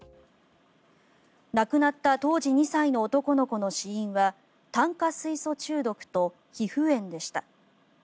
亡くなった当時２歳の男の子の死因は炭化水素中毒と皮膚炎でした。